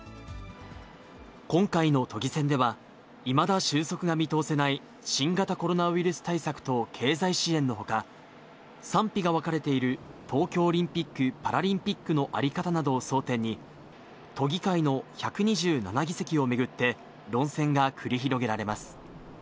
今回の都議選では、いまだ収束が見通せない、新型コロナウイルス対策と経済支援のほか、賛否が分かれている、東京オリンピック・パラリンピックの在り方などを争点に、都議会の１２７議席を巡って論戦が繰り広げられます。